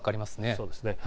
そうですね。